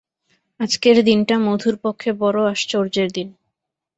আজকের দিনটা মধুর পক্ষে বড়ো আশ্চর্যের দিন।